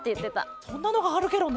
えっそんなのがあるケロね。